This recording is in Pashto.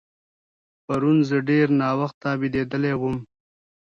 پرون زه ډېر ناوخته بېدېدلی وم.